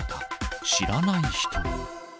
知らない人。